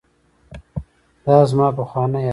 دا زما پخوانی عادت دی.